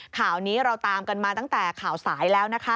ข่าวนี้เราตามกันมาตั้งแต่ข่าวสายแล้วนะคะ